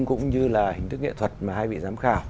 cũng như là hình thức nghệ thuật mà hai vị giám khảo